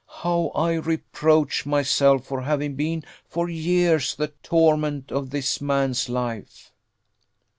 How I reproach myself for having been for years the torment of this man's life!"